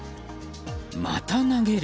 また投げる。